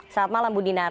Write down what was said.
selamat malam bu dinar